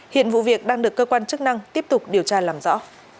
hiện vụ việc đang được cơ quan chức năng tiếp tục điều tra làm rõ